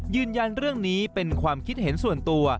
ยืนยันเรื่องนี้เป็นความคิดเห็นส่วนตัว